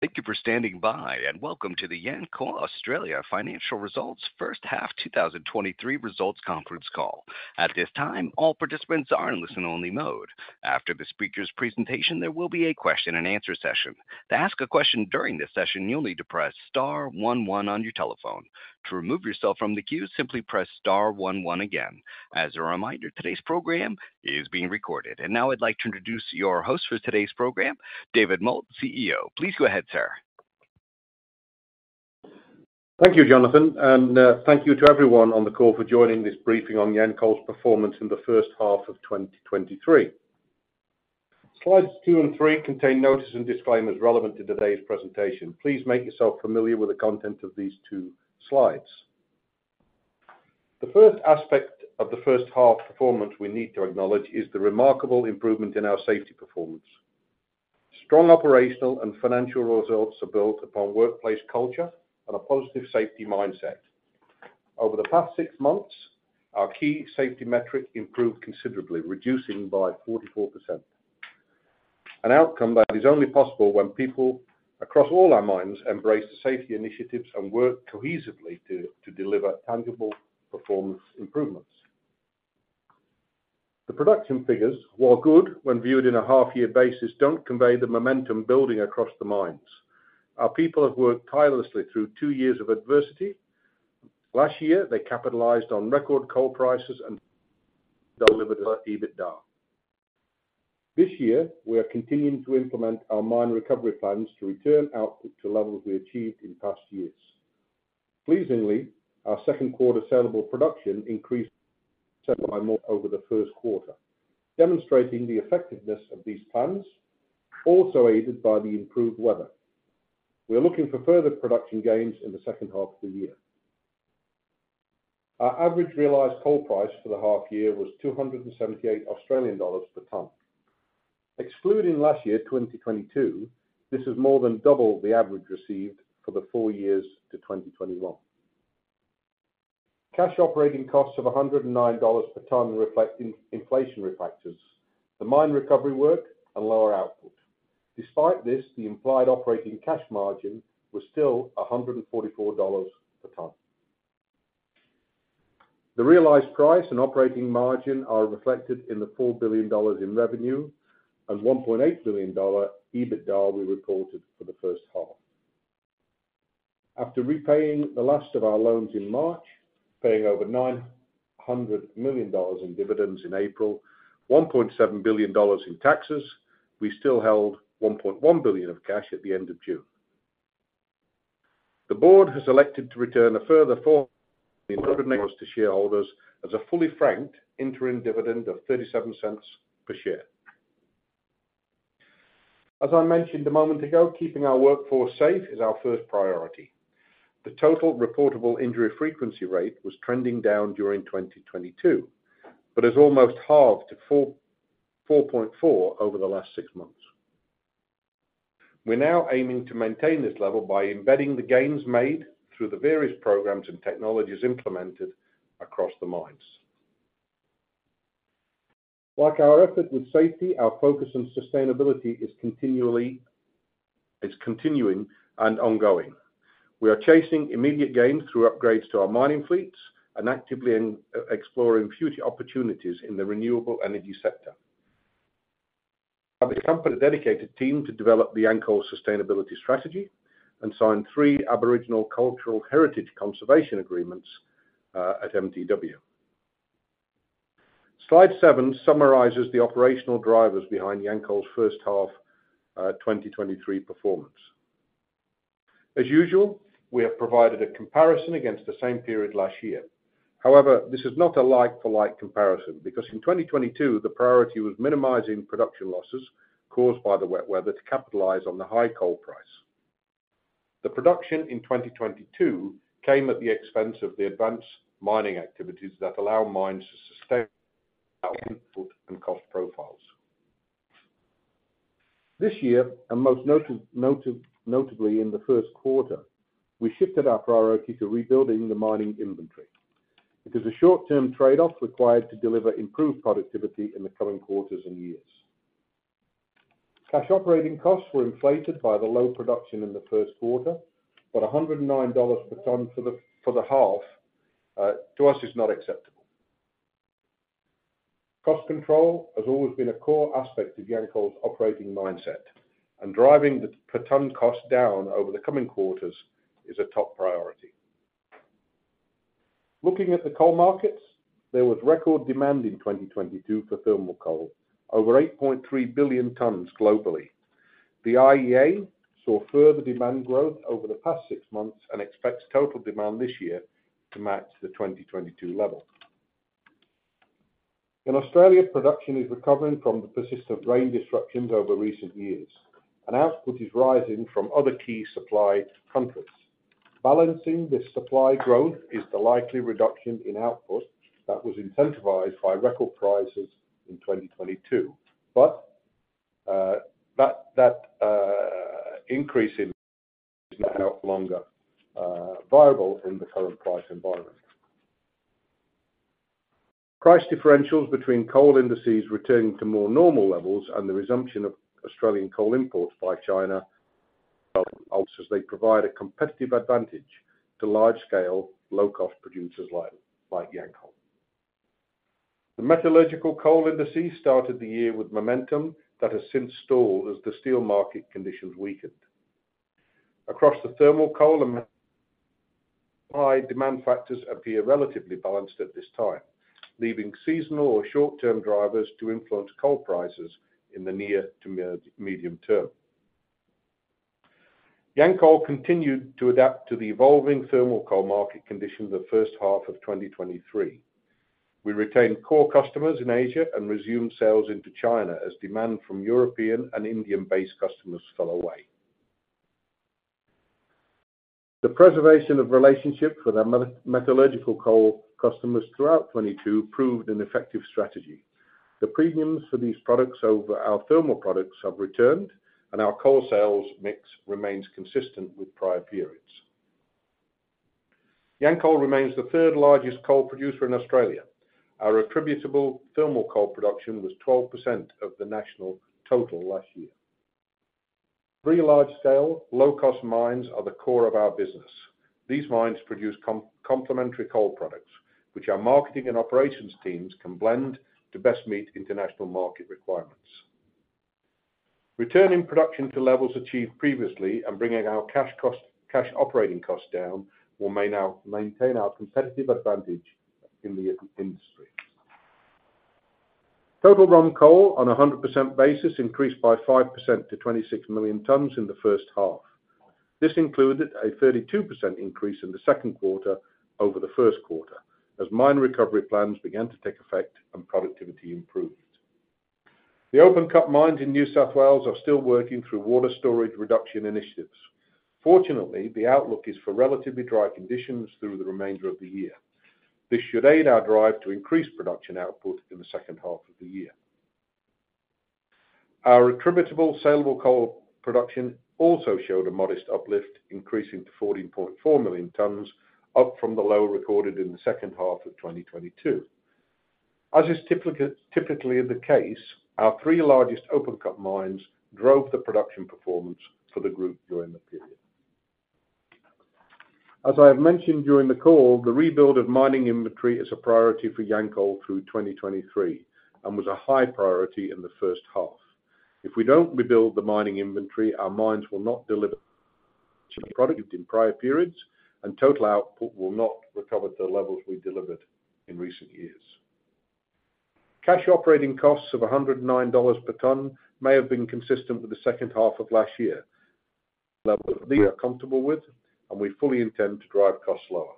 Thank you for standing by, and welcome to the Yancoal Australia Financial Results First Half 2023 results conference call. At this time, all participants are in listen-only mode. After the speaker's presentation, there will be a question-and-answer session. To ask a question during this session, you'll need to press star one one on your telephone. To remove yourself from the queue, simply press star one one again. As a reminder, today's program is being recorded. Now I'd like to introduce your host for today's program, David Moult, CEO. Please go ahead, sir. Thank you, Jonathan, thank you to everyone on the call for joining this briefing on Yancoal's performance in the first half of 2023. Slides two and three contain notice and disclaimers relevant to today's presentation. Please make yourself familiar with the content of these two slides. The first aspect of the first half performance we need to acknowledge is the remarkable improvement in our safety performance. Strong operational and financial results are built upon workplace culture and a positive safety mindset. Over the past six months, our key safety metric improved considerably, reducing by 44%. An outcome that is only possible when people across all our mines embrace the safety initiatives and work cohesively to deliver tangible performance improvements. The production figures, while good when viewed in a half-year basis, don't convey the momentum building across the mines. Our people have worked tirelessly through two years of adversity. Last year, they capitalized on record coal prices and delivered the EBITDA. This year, we are continuing to implement our mine recovery plans to return output to levels we achieved in past years. Pleasingly, our second quarter sellable production increased by more over the first quarter, demonstrating the effectiveness of these plans, also aided by the improved weather. We are looking for further production gains in the second half of the year. Our average realized coal price for the half year was 278 Australian dollars per tonne. Excluding last year, 2022, this is more than double the average received for the four years to 2021. Cash operating costs of 109 dollars per tonne, reflecting inflationary factors, the mine recovery work, and lower output. Despite this, the implied operating cash margin was still 144 dollars per tonne. The realized price and operating margin are reflected in the 4 billion dollars in revenue and 1.8 billion dollar EBITDA we reported for the first half. After repaying the last of our loans in March, paying over 900 million dollars in dividends in April, 1.7 billion dollars in taxes, we still held 1.1 billion of cash at the end of June. The board has elected to return a further 400 million dollars to shareholders as a fully franked interim dividend of 0.37 per share. As I mentioned a moment ago, keeping our workforce safe is our first priority. The Total Reportable Injury Frequency Rate was trending down during 2022, but has almost halved to 4.4 over the last six months. We're now aiming to maintain this level by embedding the gains made through the various programs and technologies implemented across the mines. Like our effort with safety, our focus on sustainability is continuing and ongoing. We are chasing immediate gains through upgrades to our mining fleets and actively in exploring future opportunities in the renewable energy sector. As a company, dedicated team to develop the Yancoal sustainability strategy and sign three Aboriginal cultural heritage conservation agreements at MTW. Slide seven summarizes the operational drivers behind Yancoal's first half, 2023 performance. As usual, we have provided a comparison against the same period last year. This is not a like-for-like comparison, because in 2022, the priority was minimizing production losses caused by the wet weather to capitalize on the high coal price. The production in 2022 came at the expense of the advanced mining activities that allow mines to sustain output and cost profiles. This year, and most noted, notably in the first quarter, we shifted our priority to rebuilding the mining inventory. It is a short-term trade-off required to deliver improved productivity in the coming quarters and years. Cash operating costs were inflated by the low production in the first quarter, 109 dollars per tonne for the, for the half, to us, is not acceptable. Cost control has always been a core aspect of Yancoal's operating mindset, and driving the per tonne cost down over the coming quarters is a top priority. Looking at the coal markets, there was record demand in 2022 for thermal coal, over 8.3 billion tons globally. The IEA saw further demand growth over the past six months and expects total demand this year to match the 2022 level. In Australia, production is recovering from the persistent rain disruptions over recent years, and output is rising from other key supply countries. Balancing this supply growth is the likely reduction in output that was incentivized by record prices in 2022, but that increase in is no longer viable in the current price environment. Price differentials between coal indices returning to more normal levels and the resumption of Australian coal imports by China, as they provide a competitive advantage to large-scale, low-cost producers like Yancoal. The metallurgical coal indices started the year with momentum that has since stalled as the steel market conditions weakened. Across the thermal coal demand factors appear relatively balanced at this time, leaving seasonal or short-term drivers to influence coal prices in the near to medium term. Yancoal continued to adapt to the evolving thermal coal market conditions the first half of 2023. We retained core customers in Asia and resumed sales into China as demand from European and Indian-based customers fell away. The preservation of relationships with our metallurgical coal customers throughout 2022 proved an effective strategy. The premiums for these products over our thermal products have returned, and our coal sales mix remains consistent with prior periods. Yancoal remains the third largest coal producer in Australia. Our attributable thermal coal production was 12% of the national total last year. Three large-scale, low-cost mines are the core of our business. These mines produce complementary coal products, which our marketing and operations teams can blend to best meet international market requirements. Returning production to levels achieved previously and bringing our cash operating costs down, will maintain our competitive advantage in the industry. Total ROM coal on a 100% basis increased by 5% to 26 million tons in the first half. This included a 32% increase in the second quarter over the first quarter, as mine recovery plans began to take effect and productivity improved. The open-cut mines in New South Wales are still working through water storage reduction initiatives. Fortunately, the outlook is for relatively dry conditions through the remainder of the year. This should aid our drive to increase production output in the second half of the year. Our attributable saleable coal production also showed a modest uplift, increasing to 14.4 million tons, up from the low recorded in the second half of 2022. As is typically the case, our three largest open-cut mines drove the production performance for the group during the period. As I have mentioned during the call, the rebuild of mining inventory is a priority for Yancoal through 2023, and was a high priority in the first half. If we don't rebuild the mining inventory, our mines will not deliver product in prior periods, and total output will not recover to the levels we delivered in recent years. Cash operating costs of $109 per tonne may have been consistent with the second half of last year, level we are comfortable with, and we fully intend to drive costs lower.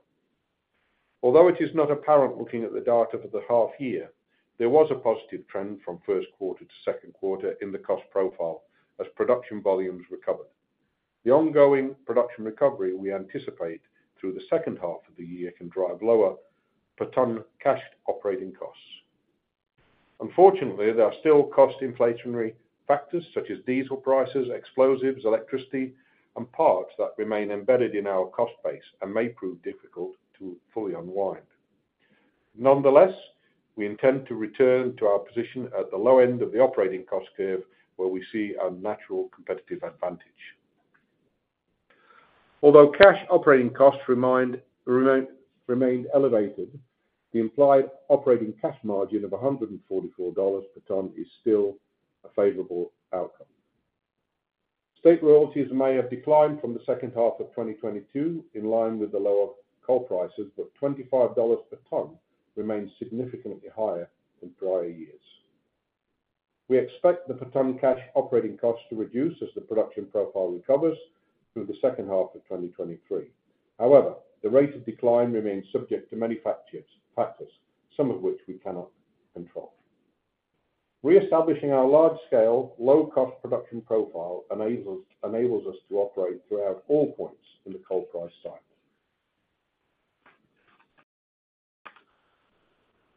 Although it is not apparent looking at the data for the half year, there was a positive trend from first quarter to second quarter in the cost profile as production volumes recovered. The ongoing production recovery we anticipate through the second half of the year can drive per tonne cash operating costs. Unfortunately, there are still cost inflationary factors such as diesel prices, explosives, electricity, and parts that remain embedded in our cost base and may prove difficult to fully unwind. Nonetheless, we intend to return to our position at the low end of the operating cost curve, where we see our natural competitive advantage. Although cash operating costs remained elevated, the implied operating cash margin of 144 dollars per tonne is still a favorable outcome. State royalties may have declined from the second half of 2022, in line with the lower coal prices, but 25 dollars per tonne remains significantly higher than prior years. We expect per tonne cash operating costs to reduce as the production profile recovers through the second half of 2023. The rate of decline remains subject to many factors, some of which we cannot control. Reestablishing our large-scale, low-cost production profile enables us to operate throughout all points in the coal price cycle.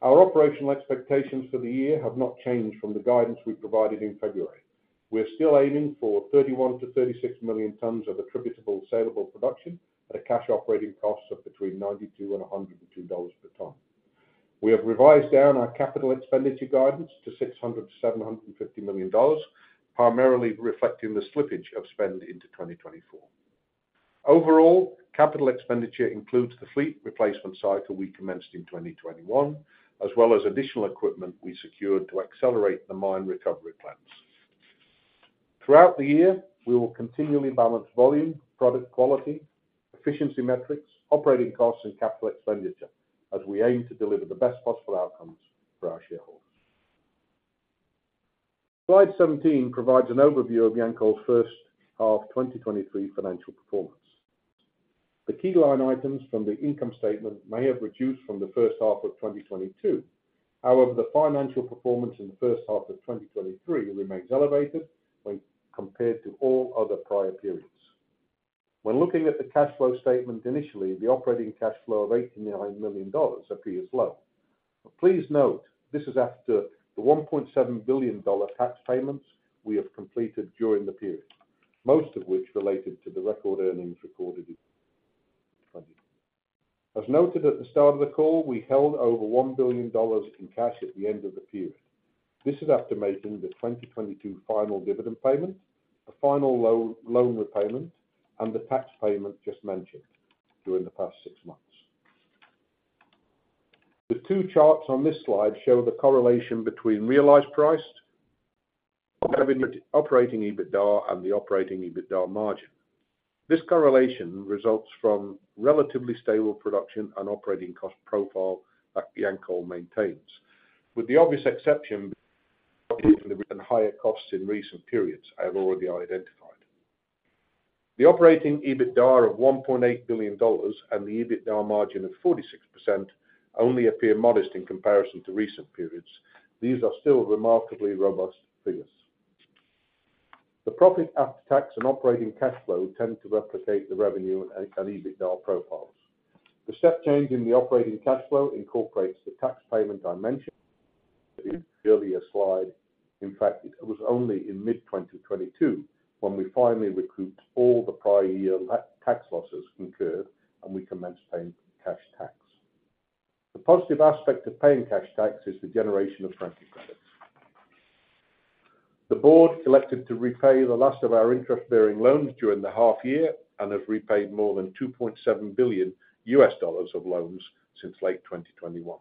Our operational expectations for the year have not changed from the guidance we provided in February. We are still aiming for 31 million-36 million tons of attributable saleable production at a cash operating cost of between 92 and 102 dollars per tonne. We have revised down our capital expenditure guidance to 600 million-750 million dollars, primarily reflecting the slippage of spend into 2024. Overall, capital expenditure includes the fleet replacement cycle we commenced in 2021, as well as additional equipment we secured to accelerate the mine recovery plans. Throughout the year, we will continually balance volume, product quality, efficiency metrics, operating costs, and capital expenditure, as we aim to deliver the best possible outcomes for our shareholders. Slide 17 provides an overview of Yancoal's first half 2023 financial performance. The key line items from the income statement may have reduced from the first half of 2022. However, the financial performance in the first half of 2023 remains elevated when compared to all other prior periods. When looking at the cash flow statement, initially, the operating cash flow of 89 million dollars appears low. Please note, this is after the 1.7 billion dollar tax payments we have completed during the period, most of which related to the record earnings recorded. As noted at the start of the call, we held over 1 billion dollars in cash at the end of the period. This is after making the 2022 final dividend payment, the final loan repayment, and the tax payment just mentioned during the past six months. The two charts on this slide show the correlation between realized price, operating EBITDA, and the operating EBITDA margin. This correlation results from relatively stable production and operating cost profile that Yancoal maintains, with the obvious exception of the higher costs in recent periods I have already identified. The operating EBITDA of $1.8 billion and the EBITDA margin of 46% only appear modest in comparison to recent periods. These are still remarkably robust figures. The profit after tax and operating cash flow tend to replicate the revenue and EBITDA profiles. The step change in the operating cash flow incorporates the tax payment I mentioned in the earlier slide. In fact, it was only in mid-2022 when we finally recouped all the prior year tax losses incurred, and we commenced paying cash tax. The positive aspect of paying cash tax is the generation of franking credits. The board elected to repay the last of our interest-bearing loans during the half year and have repaid more than $2.7 billion of loans since late 2021.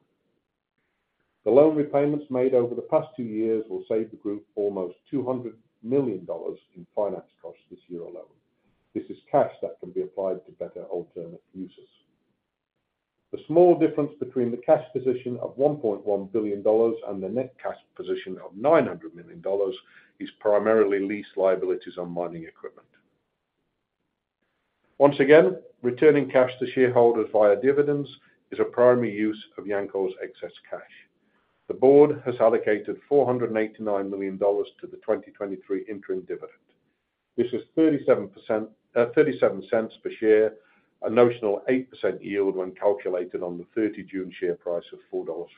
The loan repayments made over the past two years will save the group almost 200 million dollars in finance costs this year alone. This is cash that can be applied to better alternate uses. The small difference between the cash position of 1.1 billion dollars and the net cash position of 900 million dollars is primarily lease liabilities on mining equipment. Once again, returning cash to shareholders via dividends is a primary use of Yancoal's excess cash. The board has allocated 489 million dollars to the 2023 interim dividend. This is 0.37 per share, a notional 8% yield when calculated on the 30 June share price of 4.58 dollars.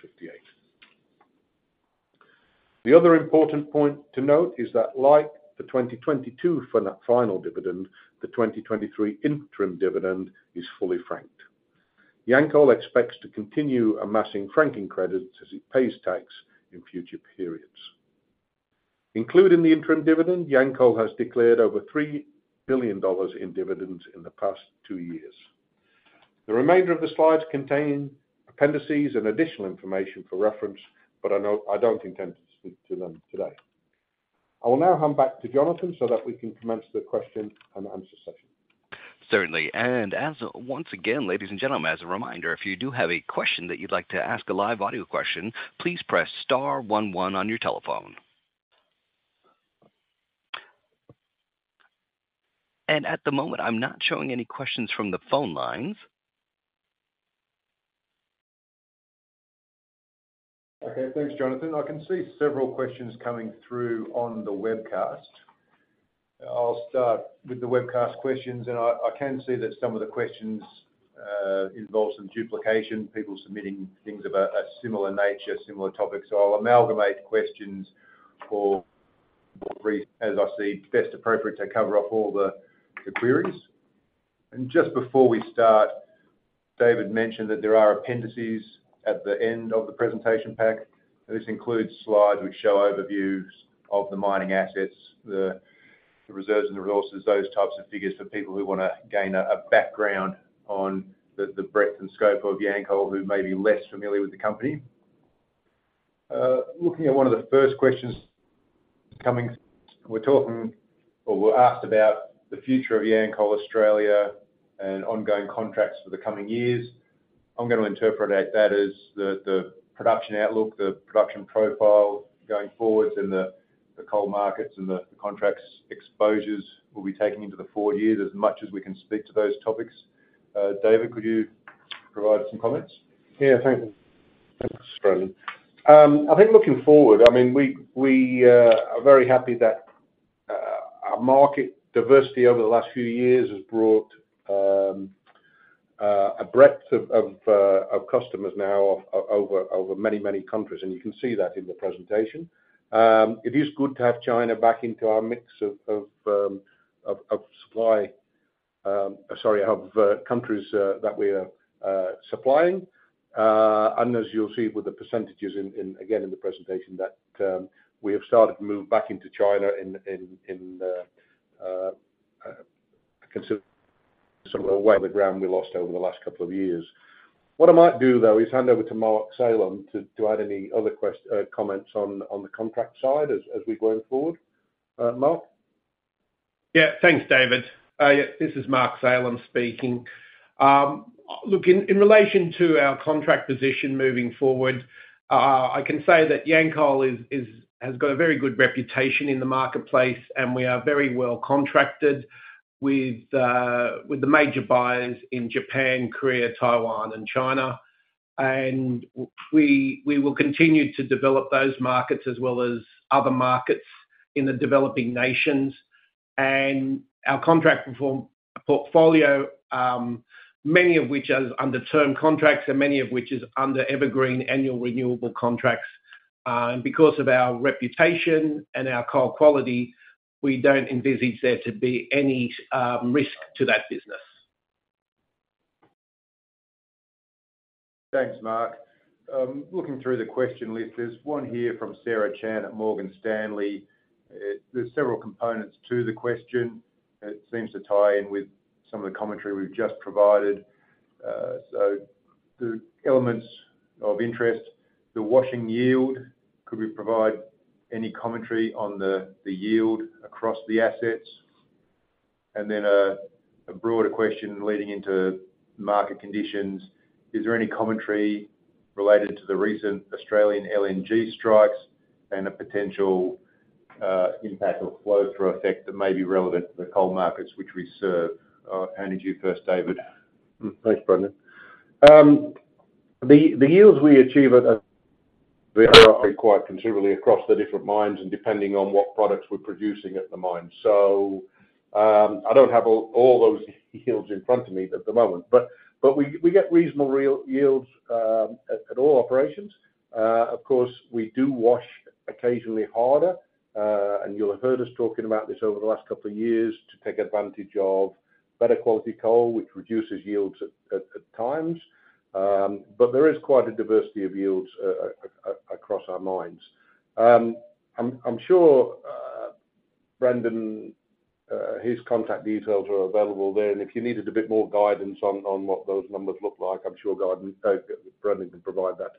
The other important point to note is that, like the 2022 final dividend, the 2023 interim dividend is fully franked. Yancoal expects to continue amassing franking credits as it pays tax in future periods. Including the interim dividend, Yancoal has declared over 3 billion dollars in dividends in the past two years. The remainder of the slides contain appendices and additional information for reference. I don't intend to speak to them today. I will now hand back to Jonathan, so that we can commence the question and answer session. Certainly. As once again, ladies and gentlemen, as a reminder, if you do have a question that you'd like to ask, a live audio question, please press star 11 on your telephone. At the moment, I'm not showing any questions from the phone lines. Okay, thanks, Jonathan. I can see several questions coming through on the webcast. I'll start with the webcast questions, and I can see that some of the questions involve some duplication, people submitting things of a, a similar nature, similar topics. I'll amalgamate questions for, as I see best appropriate, to cover up all the, the queries. Just before we start, David mentioned that there are appendices at the end of the presentation pack. This includes slides which show overviews of the mining assets, the, the reserves and resources, those types of figures for people who wanna gain a, a background on the, the breadth and scope of Yancoal, who may be less familiar with the company. Looking at one of the first questions coming, we're talking, or we're asked about the future of Yancoal Australia and ongoing contracts for the coming years. I'm gonna interpret that, that as the, the production outlook, the production profile going forward in the, the coal markets and the contracts exposures we'll be taking into the four years, as much as we can speak to those topics. David, could you provide some comments? Yeah, thank you. Thanks, Brendan. I think looking forward, I mean, we, we are very happy that our market diversity over the last few years has brought a breadth of of customers now over many, many countries, and you can see that in the presentation. It is good to have China back into our mix of of supply, sorry, of countries that we are supplying. As you'll see with the percentages in, in, again, in the presentation, that we have started to move back into China in, in, in, I consider some of the ground we lost over the last couple of years. What I might do, though, is hand over to Mark Salem to add any other comments on the contract side as we go forward. Mark? Yeah, thanks, David. Yeah, this is Mark Salem speaking. Look, in, in relation to our contract position moving forward, I can say that Yancoal has got a very good reputation in the marketplace, and we are very well contracted with the major buyers in Japan, Korea, Taiwan, and China. We, we will continue to develop those markets as well as other markets in the developing nations. Our contract portfolio, many of which is under term contracts and many of which is under evergreen annual renewable contracts. Because of our reputation and our coal quality, we don't envisage there to be any risk to that business. Thanks, Mark. Looking through the question list, there's one here from Sara Chan at Morgan Stanley. There's several components to the question. It seems to tie in with some of the commentary we've just provided. The elements of interest, the washing yield, could we provide any commentary on the, the yield across the assets? Then a, a broader question leading into market conditions: Is there any commentary related to the recent Australian LNG strikes and the potential impact or flow-through effect that may be relevant to the coal markets which we serve? Handing to you first, David. Thanks, Brendan. The yields we achieve at, they vary quite considerably across the different mines and depending on what products we're producing at the mine. I don't have all those yields in front of me at the moment, but we get reasonable real- yields, at, at all operations. Of course, we do wash occasionally harder, and you'll have heard us talking about this over the last couple of years, to take advantage of better quality coal, which reduces yields at, at, at times. There is quite a diversity of yields, across our mines. I'm sure, Brendan, his contact details are available there, and if you needed a bit more guidance on, on what those numbers look like, I'm sure Brendan can provide that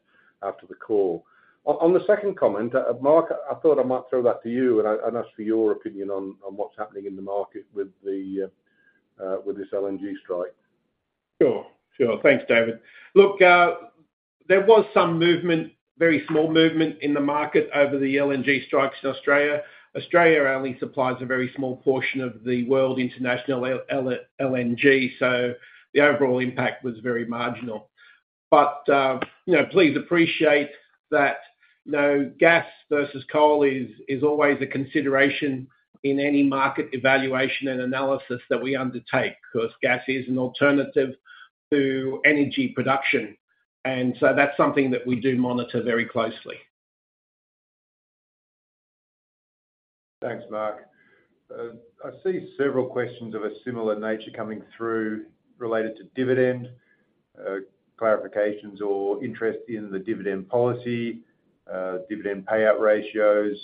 after the call. On, on the second comment, Mark, I thought I might throw that to you and ask for your opinion on, on what's happening in the market with the, with this LNG strike. Sure, sure. Thanks, David. Look, there was some movement, very small movement in the market over the LNG strikes in Australia. Australia only supplies a very small portion of the world international LNG, so the overall impact was very marginal. You know, please appreciate that, you know, gas versus coal is, is always a consideration in any market evaluation and analysis that we undertake, 'cause gas is an alternative to energy production. That's something that we do monitor very closely. Thanks, Mark. I see several questions of a similar nature coming through related to dividend, clarifications or interest in the dividend policy, dividend payout ratios,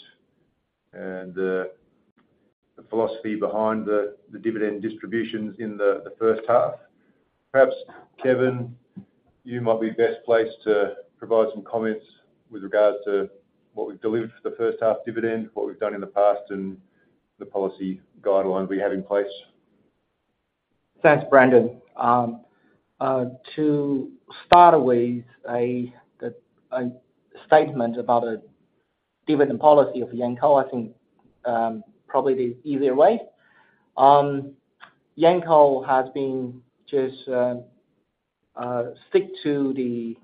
and the philosophy behind the, the dividend distributions in the, the first half. Perhaps, Kevin, you might be best placed to provide some comments with regards to what we've delivered for the first half dividend, what we've done in the past, and the policy guidelines we have in place. Thanks, Brendan. To start with, a statement about a dividend policy of Yancoal, I think, probably the easier way. Yancoal has been just stick to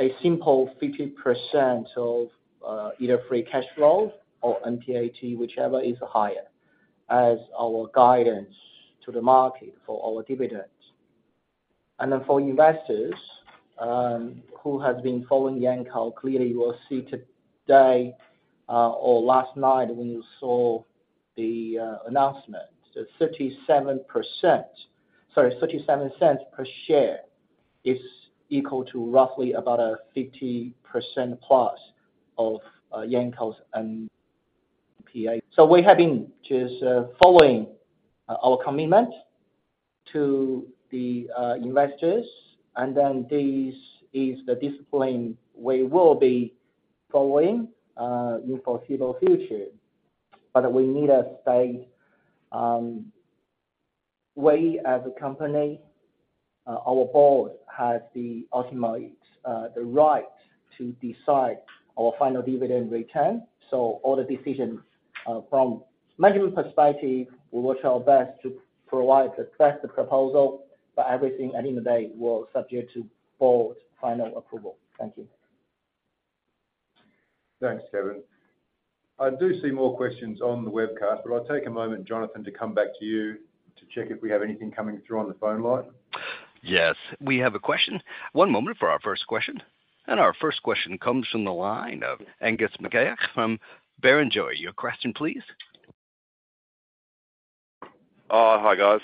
a simple 50% of either free cash flow or NPAT, whichever is higher, as our guidance to the market for our dividends. For investors who have been following Yancoal, clearly you will see today, or last night when you saw the announcement, the 37%, sorry, 0.37 per share, is equal to roughly about a 50%+ of Yancoal's NPAT. We have been just following our commitment to the investors, this is the discipline we will be following in foreseeable future. We need to state, we, as a company, our board has the ultimate, the right to decide our final dividend return. All the decisions, from management perspective, we work our best to provide the best proposal, but everything at the end of the day will subject to board's final approval. Thank you. Thanks, Kevin. I do see more questions on the webcast. I'll take a moment, Jonathan, to come back to you to check if we have anything coming through on the phone line. Yes, we have a question. One moment for our first question. Our first question comes from the line of Angus McGeoch from Barrenjoey. Your question, please. Hi, guys,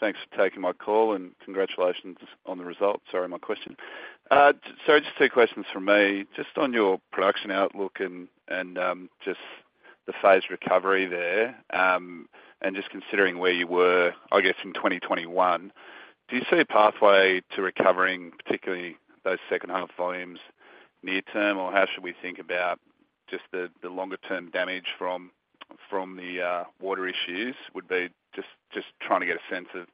thanks for taking my call, and congratulations on the results. Sorry, my question. Just two questions from me. Just on your production outlook, just the phase recovery there, and just considering where you were, I guess, in 2021, do you see a pathway to recovering, particularly those second half volumes near term? How should we think about just the, the longer term damage from, from the water issues, would be just, just trying to get a sense of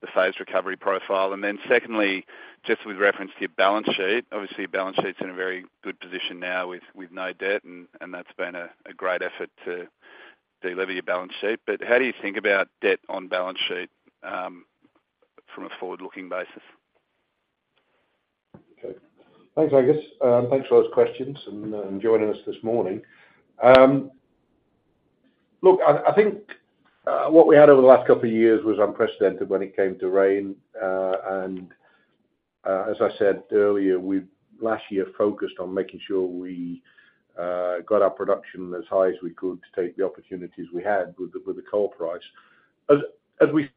the phase recovery profile. Secondly, just with reference to your balance sheet. Obviously, your balance sheet's in a very good position now with, with no debt, and that's been a great effort to deliver your balance sheet. How do you think about debt on balance sheet from a forward-looking basis? Okay. Thanks, Angus. Thanks for those questions and joining us this morning. Look, I, I think, what we had over the last couple of years was unprecedented when it came to rain. As I said earlier, we last year focused on making sure we got our production as high as we could to take the opportunities we had with the, with the coal price. As, as we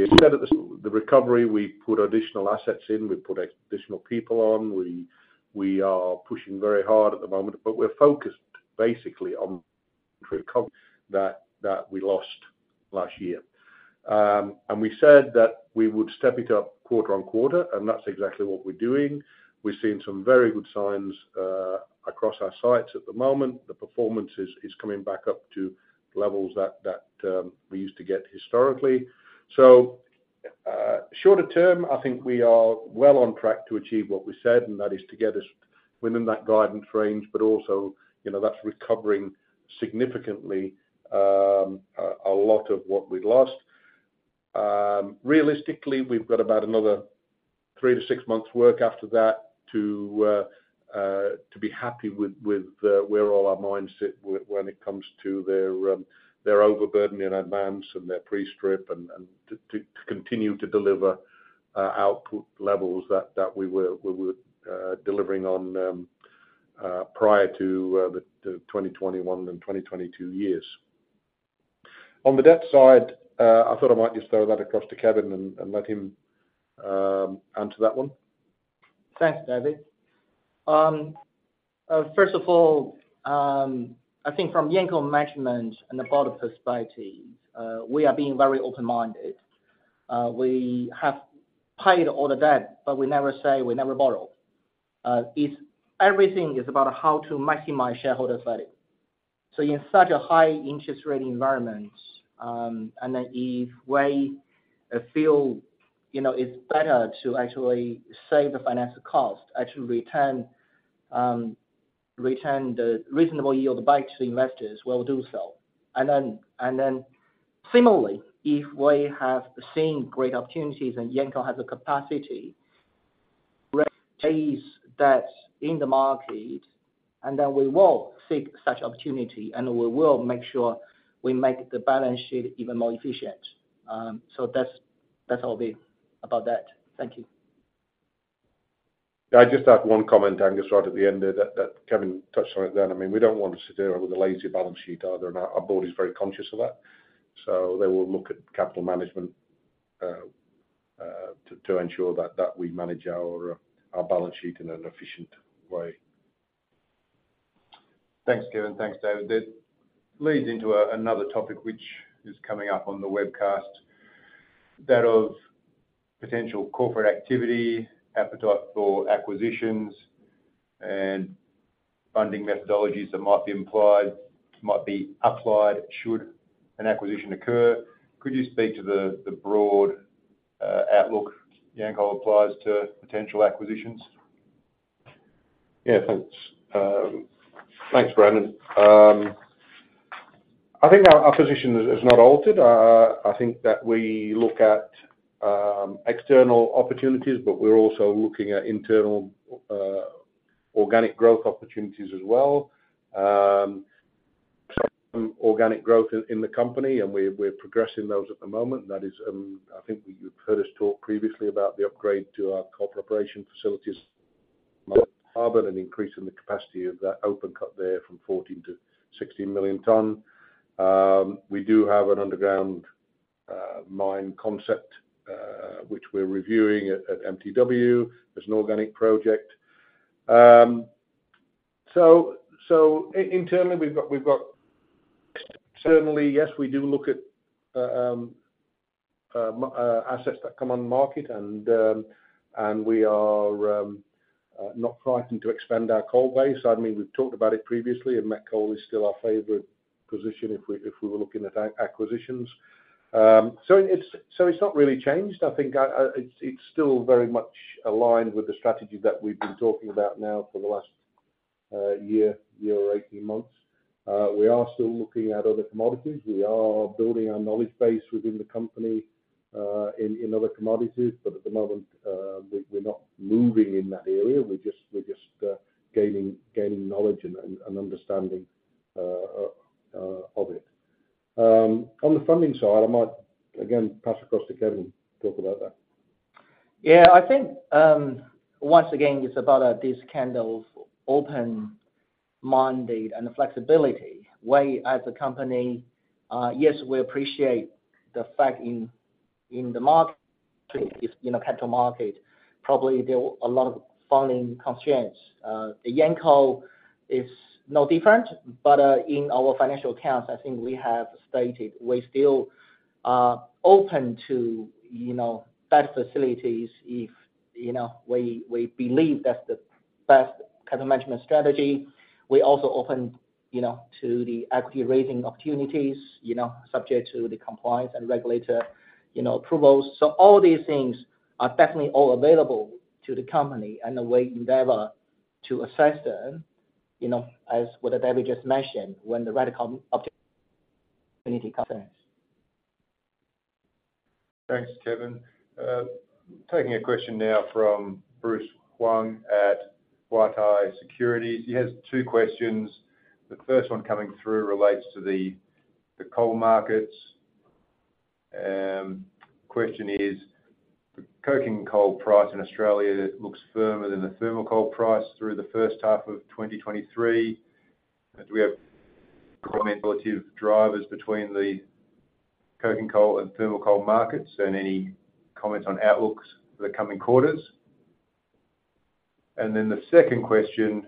said, at the, the recovery, we put additional assets in, we put additional people on. We, we are pushing very hard at the moment, but we're focused basically on recovery that, that we lost last year. We said that we would step it up quarter on quarter, and that's exactly what we're doing. We've seen some very good signs, across our sites at the moment. The performance is, is coming back up to levels that, that, we used to get historically. Shorter term, I think we are well on track to achieve what we said, and that is to get us within that guidance range, but also, you know, that's recovering significantly, a lot of what we'd lost. Realistically, we've got about another three to six months work after that to be happy with, with where all our mines sit when it comes to their overburden in advance and their pre-strip, and to continue to deliver output levels that we were delivering on prior to the 2021 and 2022 years. On the debt side, I thought I might just throw that across to Kevin and let him answer that one. Thanks, David. First of all, I think from Yancoal management and the board of perspective, we are being very open-minded. We have paid all the debt, but we never say we never borrow. It's everything is about how to maximize shareholder value. In such a high interest rate environment, and then if we feel, you know, it's better to actually save the financial cost, actually return, return the reasonable yield back to the investors, we'll do so. Then, and then similarly, if we have the same great opportunities and Yancoal has the capacity, raise debts in the market, and then we will seek such opportunity, and we will make sure we make the balance sheet even more efficient. That's, that's all be about that. Thank you. Yeah, I just have one comment, Angus, right at the end there, that, that Kevin touched on it then. I mean, we don't want to sit here with a lazy balance sheet either, and our board is very conscious of that. They will look at capital management to ensure that we manage our balance sheet in an efficient way. Thanks, Kevin. Thanks, David. That leads into another topic, which is coming up on the webcast, that of potential corporate activity, appetite for acquisitions, and funding methodologies that might be implied, might be applied should an acquisition occur. Could you speak to the broad outlook Yancoal applies to potential acquisitions? Yeah, thanks. Thanks, Brendan. I think our, our position has, has not altered. I think that we look at external opportunities, but we're also looking at internal organic growth opportunities as well. Organic growth in, in the company, we're, we're progressing those at the moment. That is, I think you've heard us talk previously about the upgrade to our coal preparation facilities, Moolarben, and increasing the capacity of that open cut there from 14 to 16 million tons. We do have an underground mine concept, which we're reviewing at, at MTW as an organic project. Internally, we've got, we've got. Externally, yes, we do look at assets that come on market, and we are not frightened to expand our coal base. I mean, we've talked about it previously, met coal is still our favorite position if we, if we were looking at acquisitions. It's, it's not really changed. I think, it's, it's still very much aligned with the strategy that we've been talking about now for the last year, year or 18 months. We are still looking at other commodities. We are building our knowledge base within the company, in, in other commodities, but at the moment, we're, we're not moving in that area. We're just, we're just gaining, gaining knowledge and, and understanding of it. On the funding side, I might again pass across to Kevin to talk about that. Yeah, I think, once again, it's about this kind of open-minded and flexibility. We as a company, yes, we appreciate the fact in, in the market, if, you know, capital market, probably there are a lot of funding constraints. The Yancoal is no different, but in our financial accounts, I think we have stated we still are open to, you know, best facilities if, you know, we, we believe that's the best capital management strategy. We're also open, you know, to the equity raising opportunities, you know, subject to the compliance and regulator, you know, approvals. All these things are definitely all available to the company, and we endeavor to assess them, you know, as what David just mentioned, when the right opportunity comes in. Thanks, Kevin. Taking a question now from Bruce Wang at Huatai Securities. He has two questions. The first one coming through relates to the coal markets. Question is: the coking coal price in Australia, it looks firmer than the thermal coal price through the first half of 2023. Do we have relative drivers between the coking coal and thermal coal markets? Any comments on outlooks for the coming quarters? The second question: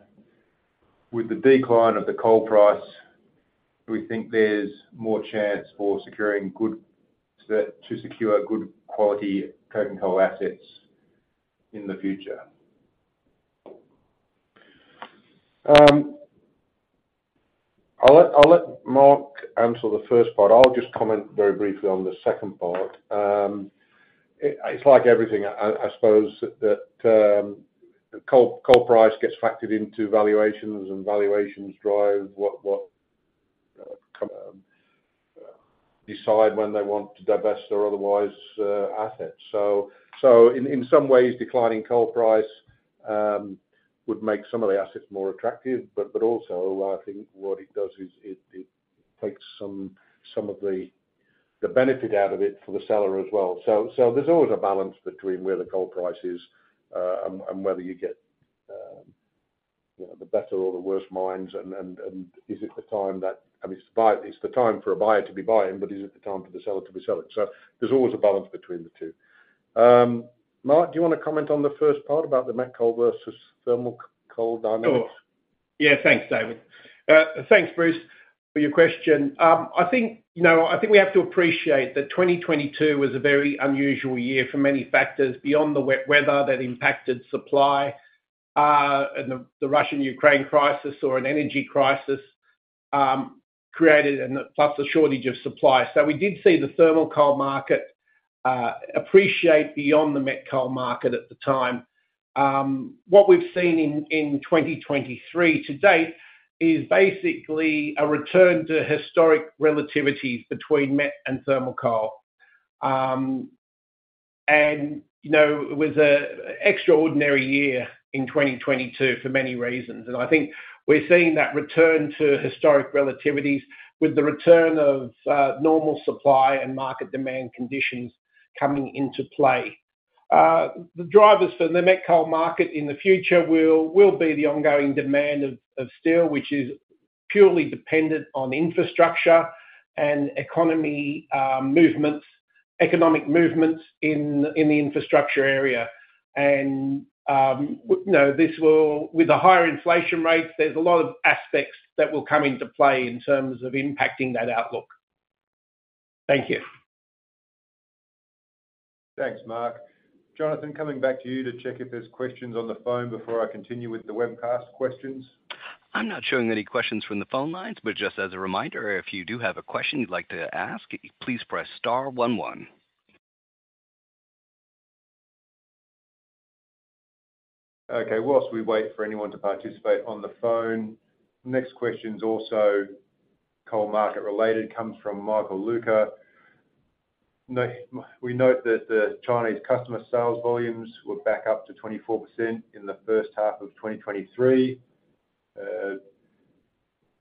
With the decline of the coal price, do we think there's more chance for securing good-quality coking coal assets in the future? I'll let, I'll let Mark answer the first part. I'll just comment very briefly on the second part. It's like everything, I, I suppose, that, the coal, coal price gets factored into valuations. Valuations drive what what decide when they want to divest or otherwise, assets. In, in some ways, declining coal price, would make some of the assets more attractive. Also, I think what it does is it, it takes some, some of the, the benefit out of it for the seller as well. There's always a balance between where the coal price is, and whether you get, you know, the better or the worse mines, and is it the time I mean, it's it's the time for a buyer to be buying, but is it the time for the seller to be selling? There's always a balance between the two. Mark, do you wanna comment on the first part about the met coal versus thermal coal dynamics? Sure. Yeah, thanks, David. Thanks, Bruce, for your question. I think, you know, I think we have to appreciate that 2022 was a very unusual year for many factors, beyond the wet weather that impacted supply, and the Russian-Ukrainian crisis, or an energy crisis, created, and plus a shortage of supply. We did see the thermal coal market appreciate beyond the met coal market at the time. What we've seen in 2023 to date is basically a return to historic relativities between met and thermal coal. You know, it was an extraordinary year in 2022 for many reasons, and I think we're seeing that return to historic relativities with the return of normal supply and market demand conditions coming into play. The drivers for the met coal market in the future will, will be the ongoing demand of, of steel, which is purely dependent on infrastructure and economy, movements- economic movements in, in the infrastructure area. You know, this will... With the higher inflation rates, there's a lot of aspects that will come into play in terms of impacting that outlook. Thank you. Thanks, Mark. Jonathan, coming back to you to check if there's questions on the phone before I continue with the webcast questions. I'm not showing any questions from the phone lines, but just as a reminder, if you do have a question you'd like to ask, please press star one one. Okay, whilst we wait for anyone to participate on the phone, next question's also coal market-related, comes from Michael Luca. We note that the Chinese customer sales volumes were back up to 24% in the first half of 2023.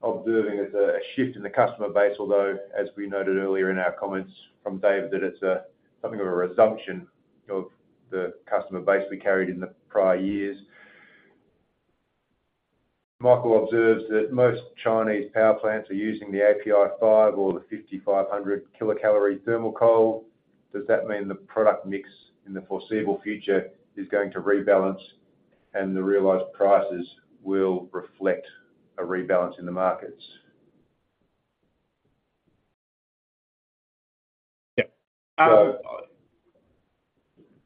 Observing there's a, a shift in the customer base, although, as we noted earlier in our comments from Dave, that it's a something of a resumption of the customer base we carried in the prior years. Michael observes that most Chinese power plants are using the API 5 or the 5,500 kilocalorie thermal coal. Does that mean the product mix in the foreseeable future is going to rebalance, and the realized prices will reflect a rebalance in the markets?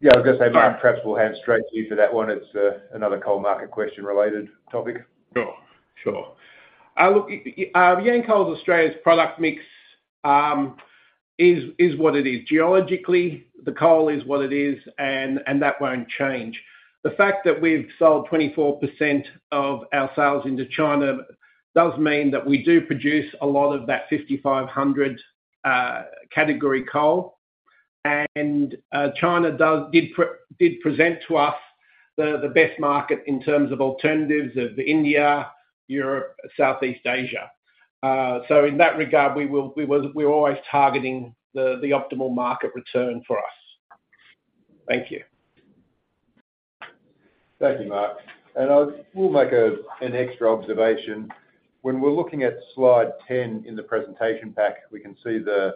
Yeah. Yeah, I was gonna say, Mark, perhaps we'll hand straight to you for that one. It's another coal market question-related topic. Sure, sure. Look, Yancoal Australia's product mix is, is what it is. Geologically, the coal is what it is, and, and that won't change. The fact that we've sold 24% of our sales into China does mean that we do produce a lot of that 5,500 category coal. China does present to us the, the best market in terms of alternatives of India, Europe, Southeast Asia. So in that regard, we're always targeting the, the optimal market return for us. Thank you. Thank you, Mark. We'll make an extra observation. When we're looking at slide 10 in the presentation pack, we can see the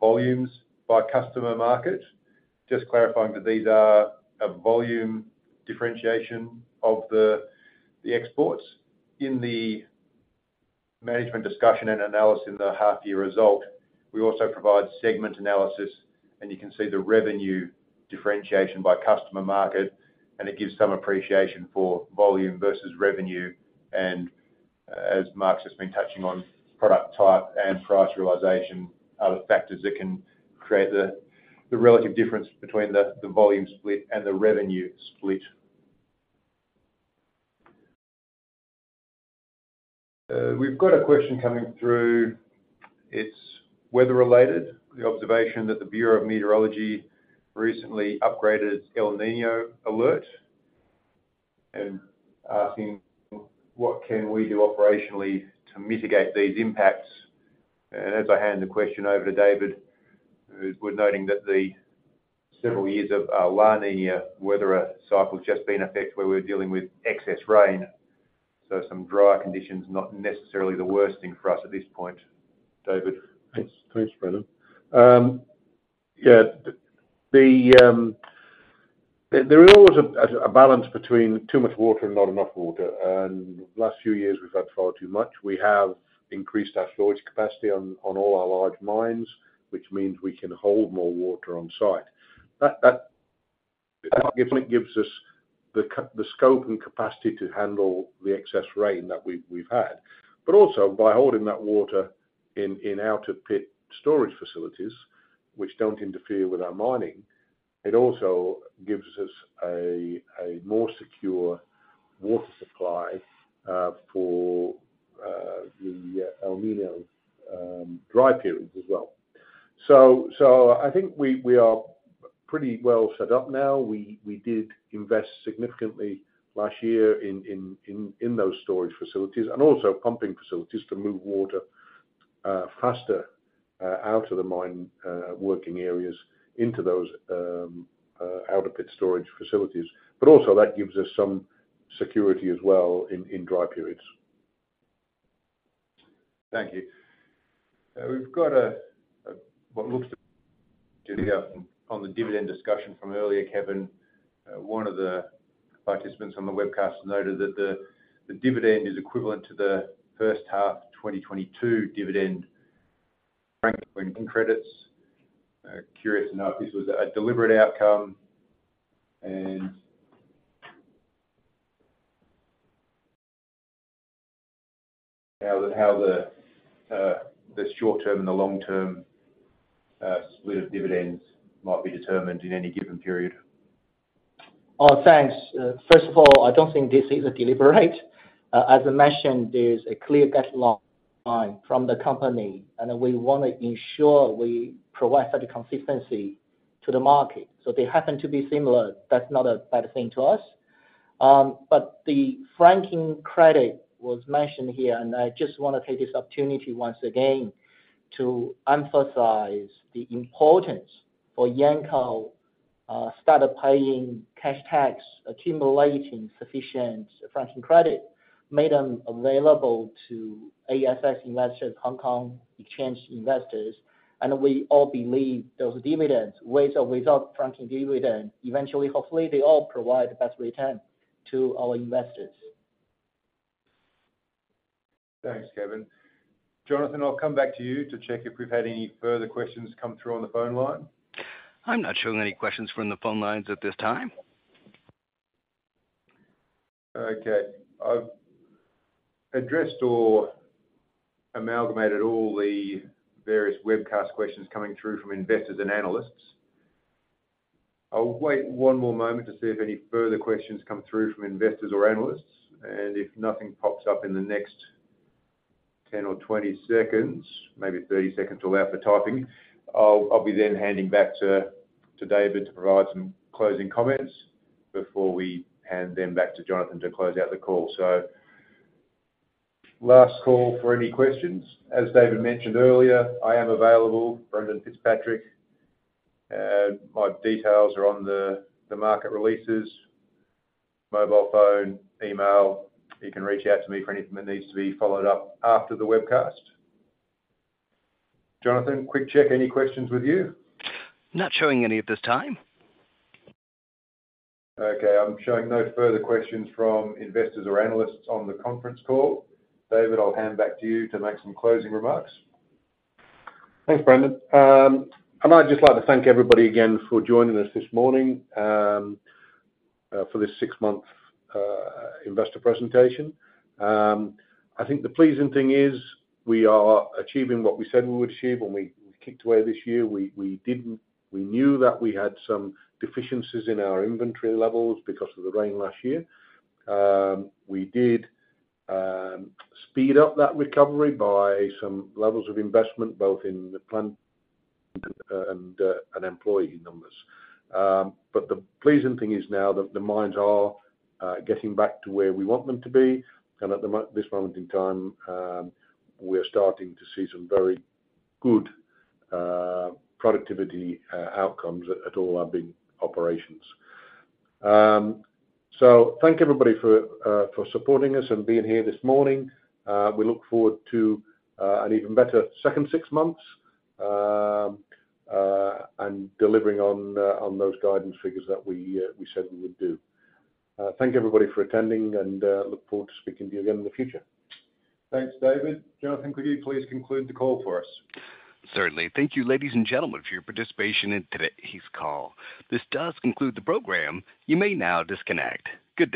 volumes by customer market. Just clarifying that these are a volume differentiation of the exports. In the management discussion and analysis in the half-year result, we also provide segment analysis. You can see the revenue differentiation by customer market, and it gives some appreciation for volume versus revenue. As Mark's just been touching on, product type and price realization are the factors that can create the relative difference between the volume split and the revenue split. We've got a question coming through. It's weather-related, the observation that the Bureau of Meteorology recently upgraded its El Niño alert, asking, what can we do operationally to mitigate these impacts? As I hand the question over to David, we're, we're noting that the several years of La Niña weather cycle just been in effect, where we're dealing with excess rain. Some drier conditions, not necessarily the worst thing for us at this point. David? Thanks. Thanks, Brendan. Yeah, the, there, there is always a, a balance between too much water and not enough water, and the last few years we've had far too much. We have increased our storage capacity on, on all our large mines, which means we can hold more water on site. That, that significantly gives us the scope and capacity to handle the excess rain that we've, we've had. Also, by holding that water in, in out-of-pit storage facilities, which don't interfere with our mining, it also gives us a, a more secure water supply for the El Niño dry periods as well. So I think we, we are pretty well set up now. We, we did invest significantly last year in those storage facilities and also pumping facilities to move water faster out of the mine working areas into those out-of-pit storage facilities. Also that gives us some security as well in, in dry periods. Thank you. We've got a, what looks to be on, on the dividend discussion from earlier, Kevin. One of the participants on the webcast noted that the, the dividend is equivalent to the first half of 2022 dividend franking credits. Curious to know if this was a deliberate outcome, and how the, how the, the short term and the long term split of dividends might be determined in any given period? Thanks. First of all, I don't think this is a deliberate. As I mentioned, there's a clear guideline from the company. We want to ensure we provide certain consistency to the market. They happen to be similar, that's not a bad thing to us. The franking credit was mentioned here. I just want to take this opportunity once again to emphasize the importance for Yancoal, started paying cash tax, accumulating sufficient franking credit, made them available to ASX-listed Hong Kong Exchange investors. We all believe those dividends, with or without franking dividend, eventually, hopefully, they all provide the best return to our investors. Thanks, Kevin. Jonathan, I'll come back to you to check if we've had any further questions come through on the phone line. I'm not showing any questions from the phone lines at this time. Okay. I've addressed or amalgamated all the various webcast questions coming through from investors and analysts. I'll wait one more moment to see if any further questions come through from investors or analysts, and if nothing pops up in the next 10 or 20 seconds, maybe 30 seconds to allow for typing, I'll, I'll be then handing back to, to David to provide some closing comments before we hand them back to Jonathan to close out the call. Last call for any questions. As David mentioned earlier, I am available, Brendan Fitzpatrick, my details are on the, the market releases, mobile phone, email. You can reach out to me for anything that needs to be followed up after the webcast. Jonathan, quick check, any questions with you? Not showing any at this time. Okay, I'm showing no further questions from investors or analysts on the conference call. David, I'll hand back to you to make some closing remarks. Thanks, Brendan. I might just like to thank everybody again for joining us this morning, for this six-month investor presentation. I think the pleasing thing is, we are achieving what we said we would achieve when we kicked away this year. We knew that we had some deficiencies in our inventory levels because of the rain last year. We did speed up that recovery by some levels of investment, both in the plant and employee numbers. The pleasing thing is now that the mines are getting back to where we want them to be, and at this moment in time, we're starting to see some very good productivity outcomes at all our big operations. Thank everybody for supporting us and being here this morning. We look forward to an even better second six months, and delivering on those guidance figures that we said we would do. Thank everybody for attending, and look forward to speaking to you again in the future. Thanks, David. Jonathan, could you please conclude the call for us? Certainly. Thank you, ladies and gentlemen, for your participation in today's call. This does conclude the program. You may now disconnect. Good day.